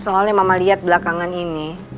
soalnya mama lihat belakangan ini